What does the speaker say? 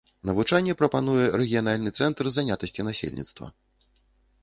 Навучанне прапануе рэгіянальны цэнтр занятасці насельніцтва.